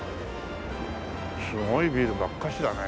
すごいビルばっかしだね。